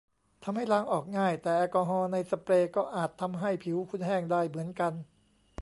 ทำให้ล้างออกง่าย แต่แอลกอฮอล์ในสเปรย์ก็อาจทำให้ผิวคุณแห้งได้เหมือนกัน